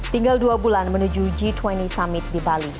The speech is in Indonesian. tinggal dua bulan menuju g dua puluh summit di bali